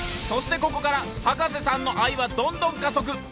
そしてここから葉加瀬さんの愛はどんどん加速。